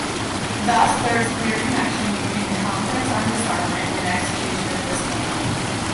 Thus, there is clear connection between the Conference on disarmament and execution of this plan.